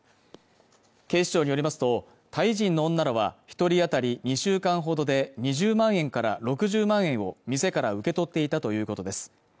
警視庁によりますとタイ人の女らは一人当たり２週間ほどで２０万円から６０万円を店から受け取っていたということです